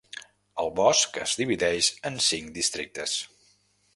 El bosc es divideix en cinc districtes.